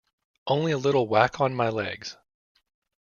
Only a little whack on my legs.